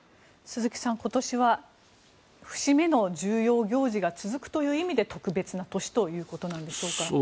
鈴木さん、今年は節目の重要行事が続くという意味で特別な年ということなんでしょうか。